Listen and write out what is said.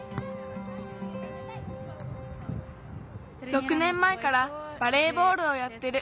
６ねんまえからバレーボールをやってる。